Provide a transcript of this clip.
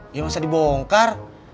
ya masa dibongkar